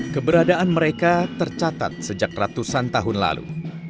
keberadaan mereka tercatat sejak ratusan tahun lalu